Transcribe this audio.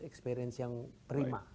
experience yang prima